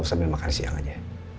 sambil makan siang aja